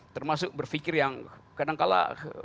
termasuk berfikir yang kadangkala